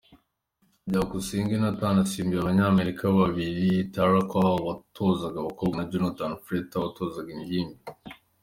Byukusenge Nathan asimbuye Abanyamerika babiri Tarah Cole watozaga abakobwa na Jonathan Freter watozaga ingimbi.